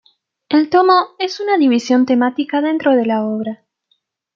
El "tomo" es una división temática dentro de la obra.